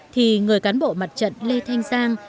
thì người cán bộ mặt trận lê thanh giang